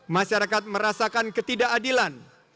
masyarakat merasakan ketidakadilan